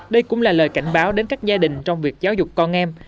đây cũng là lời cảnh báo đến các gia đình trong việc giáo dục con em